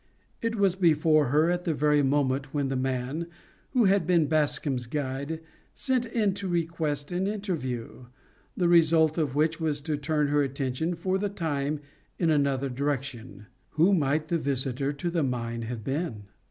It was before her at the very moment when the man, who had been Bascombe's guide, sent in to request an interview, the result of which was to turn her attention for the time in another direction. Who might the visitor to the mine have been?